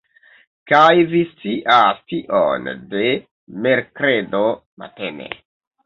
Kaj vi scias tion de merkredo matene!